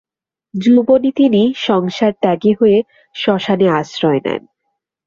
যৌবনে তিনি সংসারত্যাগী হয়ে শ্মশানে আশ্রয় নেন।